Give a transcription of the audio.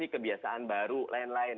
kebiasaan baru lain lain